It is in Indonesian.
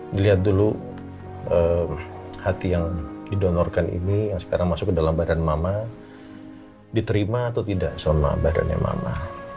dilihat dulu hati yang didonorkan ini yang sekarang masuk ke dalam badan mama diterima atau tidak sama badannya mama